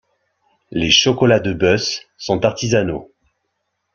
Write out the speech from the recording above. Les chocolats de Beussent sont artisanaux.